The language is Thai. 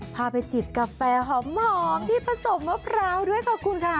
พาไปจิบกาแฟหอมที่ผสมมะพร้าวด้วยขอบคุณค่ะ